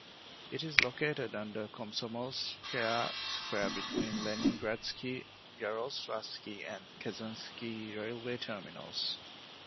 It is located under Komsomolskaya Square, between the Leningradsky, Yaroslavsky, and Kazansky railway terminals.